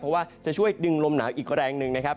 เพราะว่าจะช่วยดึงลมหนาวอีกแรงหนึ่งนะครับ